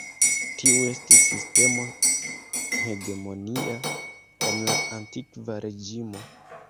Tiu estis sistemo hegemonia en la Antikva Reĝimo.